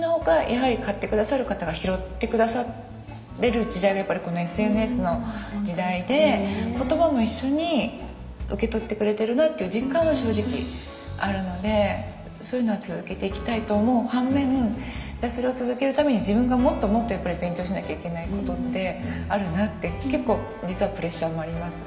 やはり買って下さる方が拾って下される時代がやっぱりこのＳＮＳの時代で言葉も一緒に受け取ってくれてるなっていう実感は正直あるのでそういうのは続けていきたいと思う反面じゃあそれを続けるために自分がもっともっとやっぱり勉強しなきゃいけないことってあるなって結構実はプレッシャーもあります。